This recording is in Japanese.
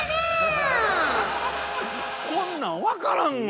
こんなん分からんわ！